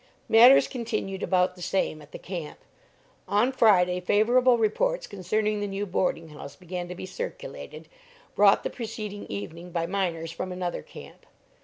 Matters continued about the same at the camp. On Friday favorable reports concerning the new boarding house began to be circulated, brought the preceding evening by miners from another camp.